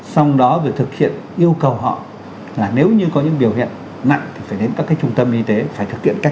xong đó được thực hiện yêu cầu họ là nếu như có những biểu hiện nặng thì phải đến các cái trung tâm y tế phải thực hiện cách ly